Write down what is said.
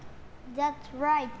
ザッツライト！